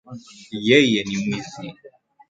Yeye ni mwizi.